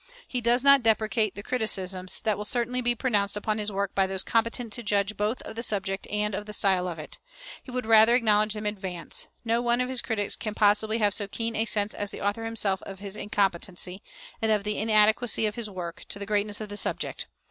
He does not deprecate the criticisms that will certainly be pronounced upon his work by those competent to judge both of the subject and of the style of it. He would rather acknowledge them in advance. No one of his critics can possibly have so keen a sense as the author himself of his incompetency, and of the inadequacy of his work, to the greatness of the subject.